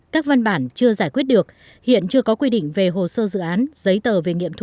các văn bản chưa giải quyết được hiện chưa có quy định về hồ sơ dự án giấy tờ về nghiệp sản này